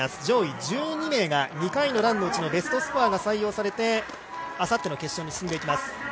上位１２名が、２回のランのうちのベストスコアが採用されてあさっての決勝に進んでいきます。